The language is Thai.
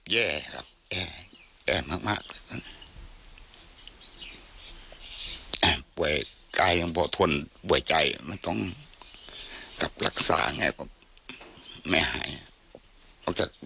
แย่ครับแย่มากบ่อยกายของพ่อทนบ่อยใจมันต้องกลับรักษาไงก็ไม่หายต้องจากไป